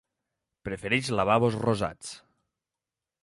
Prefereix lavabos rosats.